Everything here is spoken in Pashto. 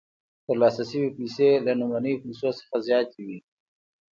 ترلاسه شوې پیسې له لومړنیو پیسو څخه زیاتې وي